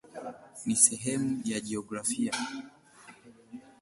Ni sehemu ya jiografia.